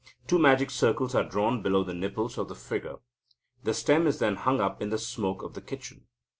Two magic circles are drawn below the nipples of the figure. The stem is then hung up in the smoke of the kitchen.